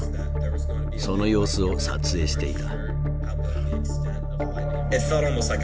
その様子を撮影していた。